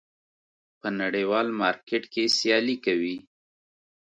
په نړیوال مارکېټ کې سیالي کوي.